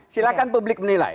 silahkan publik menilai